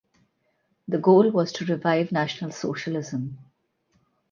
The goal was to revive national socialism.